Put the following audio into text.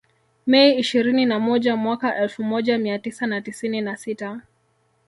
Mei ishirini na moja mwaka elfu moja mia tisa na tisini na sita